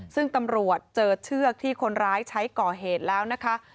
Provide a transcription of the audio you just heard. ซึ่งตำรวจเจอเชือกที่คนร้ายใช้ก่อเหตุแล้วนะคะ